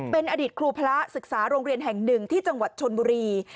เป็นอดีตครูพระศึกษาโรงเรียนแห่งหนึ่งที่จังหวัดชนบุรี